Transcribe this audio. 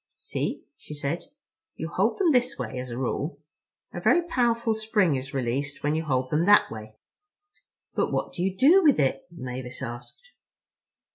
"See," she said, "you hold them this way as a rule. A very powerful spring is released when you hold them that way." "But what do you do with it?" Mavis asked.